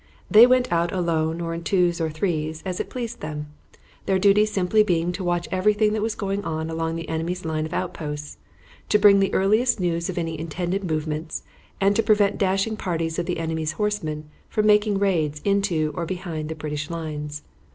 They went out alone or in twos or threes, as it pleased them, their duty simply being to watch everything that was going on along the enemy's line of outposts, to bring the earliest news of any intended movements, and to prevent dashing parties of the enemy's horsemen from making raids into or behind the British lines.